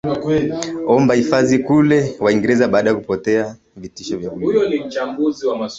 omba hifadhi kule wingereza baada kupotea vitisho vya kuliwa